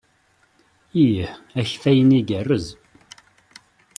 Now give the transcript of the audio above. Ih, akeffay-nni igerrez.